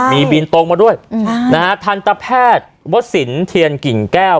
มีบินตรงมาด้วยธรรมแพทย์วชินเทียนกิ่งแก้ว